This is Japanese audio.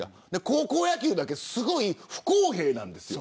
高校野球はすごく不公平なんです。